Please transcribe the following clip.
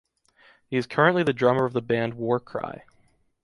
He is currently the drummer of the band WarCry.